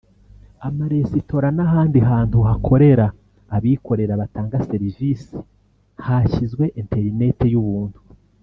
amaresitora n’ahandi hantu hakorera abikorera batanga serivisi hashyizwe internet y’ubuntu